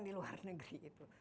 di luar negeri